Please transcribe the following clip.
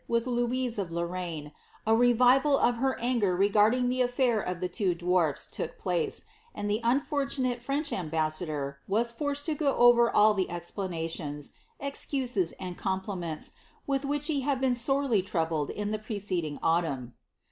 with Louise of Lorraine, a revival of her anger regarding the afiair of the two dwarfs took place, and the unfortunate French ambassador was forced to go over all the explanations, excuses, and compliments, with which he had been so sorely troubled in the preceding autumn.